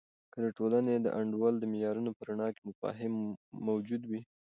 که د ټولنې د انډول د معیارونو په رڼا کې مفاهیم موجود وي.